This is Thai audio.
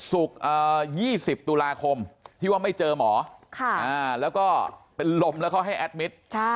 ๒๐ตุลาคมที่ว่าไม่เจอหมอแล้วก็เป็นลมแล้วเขาให้แอดมิตร